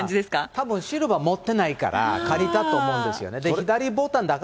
たぶん、シルバー持ってないから、借りたと思うんですよね。